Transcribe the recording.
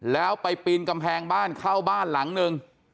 แล้วไปปีนกำแพงบ้านเข้าบ้านหลังหนึ่ง